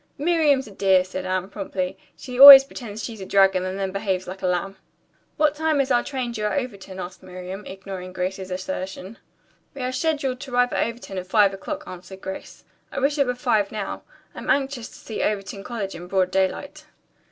"Miriam's a dear," said Anne promptly. "She always pretends she's a dragon and then behaves like a lamb." "What time is our train due at Overton?" asked Miriam, ignoring Anne's assertion. "We are scheduled to arrive at Overton at five o'clock," answered Grace. "I wish it were five now. I'm anxious to see Overton College in broad daylight."